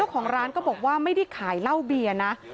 ของร้านก็บอกว่าไม่ได้ขายเหล้าเบียร์นะ